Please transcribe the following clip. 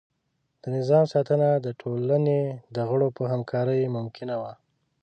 د نظام ساتنه د ټولنې د غړو په همکارۍ ممکنه وه.